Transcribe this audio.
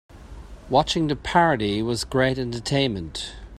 Watching the parody was great entertainment.